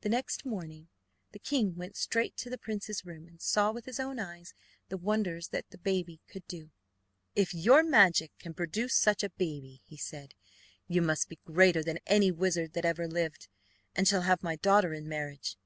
The next morning the king went straight to the prince's room, and saw with his own eyes the wonders that baby could do. "If your magic can produce such a baby," he said, "you must be greater than any wizard that ever lived, and shall have my daughter in marriage."